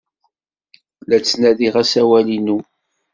La ttnadiɣ asawal-inu.